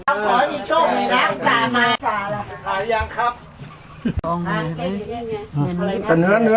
โอ้มาจังหวะเลยเขาถ่ายทำหลังเลย